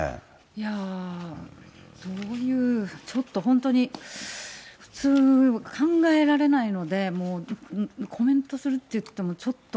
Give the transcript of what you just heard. いやー、どういう、ちょっと本当に、普通考えられないので、もうコメントするっていっても、ちょっと。